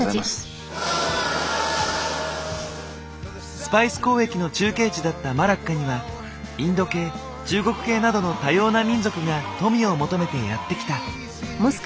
スパイス交易の中継地だったマラッカにはインド系中国系などの多様な民族が富を求めてやって来た。